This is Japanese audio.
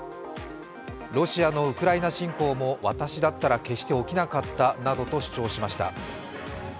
ロシアのウクライナ侵攻も私だったら決して起きなかったなどと主張しました。